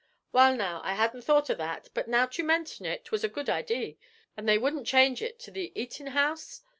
'Wal, now, I hadn't thought of that, but now't you mention it, 'twas a good idee; and they wouldn't change it to the eatin' house?'